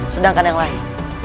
sedangkan yang lain